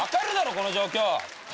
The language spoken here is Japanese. この状況。